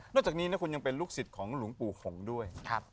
นอกจากนี้เนี่ยคุณยังเป็นลูกศิษย์ของหลวงปูห่งด้วย